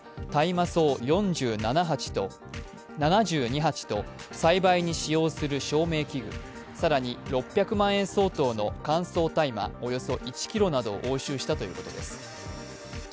警視庁は、野瀬せ容疑者の自宅から大麻草と７２鉢と栽培に使用する照明器具更に６００万円相当の乾燥大麻およそ１ｋｇなどを押収したということです。